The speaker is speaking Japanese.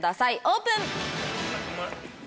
オープン！